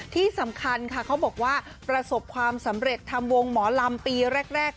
ที่สำคัญค่ะเขาบอกว่าประสบความสำเร็จทำวงหมอลำปีแรก